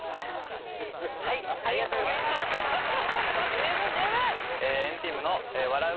十分十分！